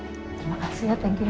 terima kasih ya thank you